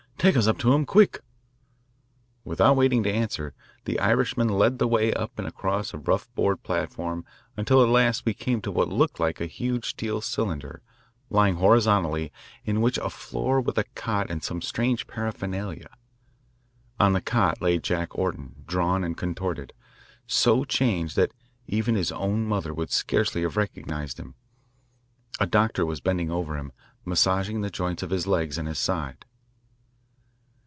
"Take us up to him quick." Without waiting to answer, the Irishman led the way up and across a rough board platform until at last we came to what looked like a huge steel cylinder, lying horizontally, in which was a floor with a cot and some strange paraphernalia. On the cot lay Jack Orton, drawn and contorted, so changed that even his own mother would scarcely have recognised him. A doctor was bending over him, massaging the joints of his legs and his side.